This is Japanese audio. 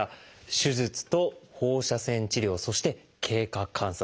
「手術」と「放射線治療」そして「経過観察」